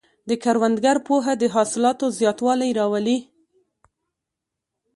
د کروندګر پوهه د حاصلاتو زیاتوالی راولي.